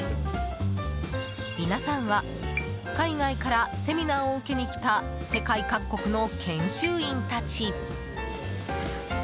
皆さんは海外からセミナーを受けに来た世界各国の研修員たち。